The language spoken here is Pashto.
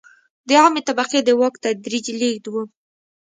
د عامې طبقې ته د واک تدریجي لېږد و.